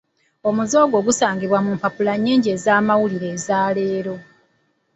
Omuze ogwo gusangibwa mu mpapula nnyingi ez'amawulire eza leero.